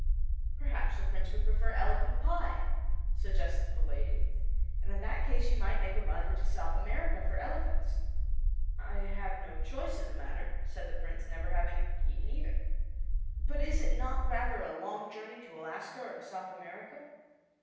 "Perhaps the Prince would prefer elephant pie," suggested the lady, "and in that case you might make a run into South America for elephants." "I have no choice in the matter," said the Prince, "never having eaten either. But is it not rather a long journey to Alaska or to South America?"